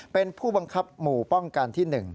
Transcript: เป็นผู้บังคับหมู่ป้องกันที่๑